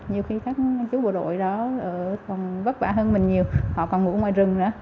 nhiều khi các chú bộ đội đó còn vất vả hơn mình nhiều họ còn ngủ ngoài rừng nữa